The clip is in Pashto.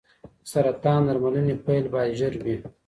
د سرطان درملنې پیل باید ژر وي.